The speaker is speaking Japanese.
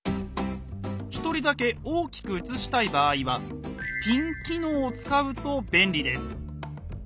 １人だけ大きく映したい場合は「ピン」機能を使うと便利です。